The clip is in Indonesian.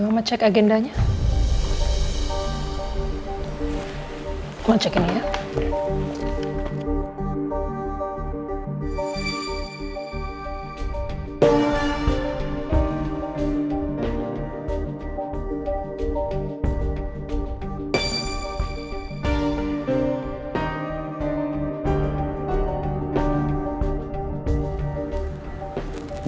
aku mau cari tahu kenapa papa simpen ini semua ini